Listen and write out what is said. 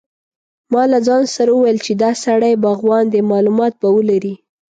ما له ځان سره وویل چې دا سړی باغوان دی معلومات به ولري.